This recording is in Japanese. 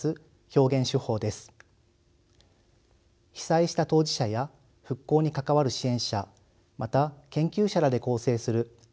被災した当事者や復興に関わる支援者また研究者らで構成する「３．１１からの独り言」